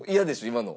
今の。